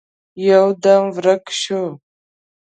يودم ورک شو.